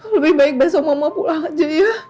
lebih baik besok mama pulang aja ya